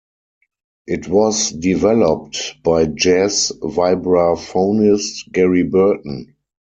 It was developed by jazz vibraphonist Gary Burton.